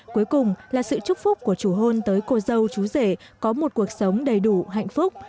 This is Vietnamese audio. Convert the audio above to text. cuối cùng là sự trúc phúc của chú hôn tới cô dâu chú rể có một cuộc sống đầy đủ hạnh phúc